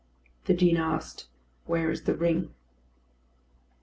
The Dean asked, "Where is the ring?"